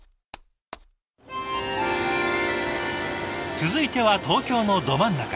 続いては東京のど真ん中へ。